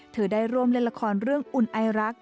ได้ร่วมเล่นละครเรื่องอุ่นไอรัก